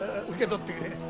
受け取ってくれ。